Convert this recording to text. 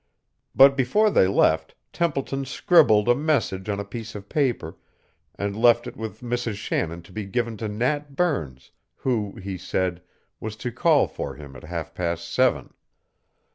But before they left, Templeton scribbled a message on a piece of paper and left it with Mrs. Shannon to be given to Nat Burns, who, he said, was to call for him at half past seven.